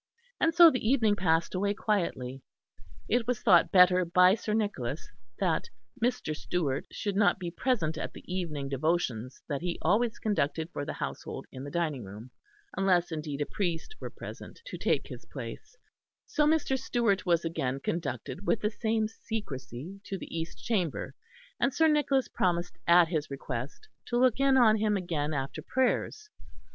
And so the evening passed away quietly. It was thought better by Sir Nicholas that Mr. Stewart should not be present at the evening devotions that he always conducted for the household in the dining hall, unless indeed a priest were present to take his place; so Mr. Stewart was again conducted with the same secrecy to the East Chamber; and Sir Nicholas promised at his request to look in on him again after prayers.